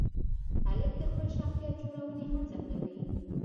هلک د خپل شخصیت جوړونې هڅه کوي.